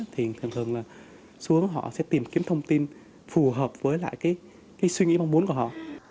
thì thường thường là xuống họ sẽ tìm kiếm thông tin phù hợp với lại cái suy nghĩ mong muốn của họ